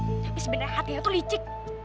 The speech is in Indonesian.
tapi sebenernya hatinya tuh licik